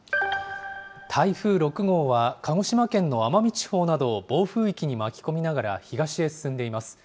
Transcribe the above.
台風６号は、鹿児島県の奄美地方などを暴風域に巻き込みながら東へ進んでいます。